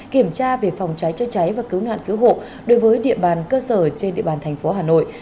kiểm tra về phòng cháy chế cháy và cứu nạn cứu hộ đối với địa bàn cơ sở trên địa bàn tp hà nội